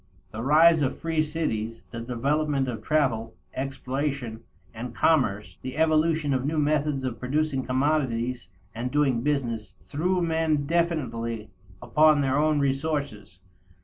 The rise of free cities, the development of travel, exploration, and commerce, the evolution of new methods of producing commodities and doing business, threw men definitely upon their own resources.